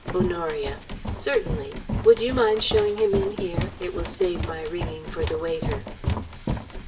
Honoria: "Certainly. Would you mind showing him in here? It will save my ringing for the waiter."